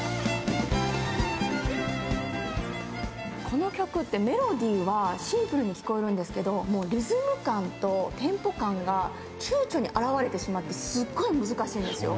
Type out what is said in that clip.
この曲ってメロディーはシンプルに聞こえるんですけどリズム感とテンポ感が顕著に現れてしまってすっごい難しいんですよ